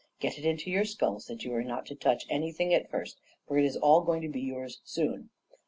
Get it into your skulls that you are not to touch anything at first, for it is all going to be yours soon.